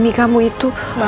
kita kita harus buat diplomatic